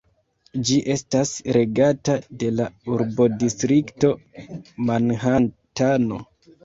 Ĝi estas regata de la urbodistrikto Manhatano.